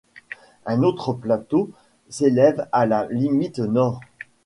Un autre plateau s'élève à la limite nord.